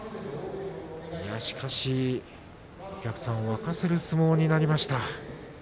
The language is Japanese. しかし、お客さんを沸かせる相撲になりました。